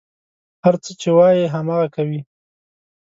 هر څه چې وايي، هماغه کوي.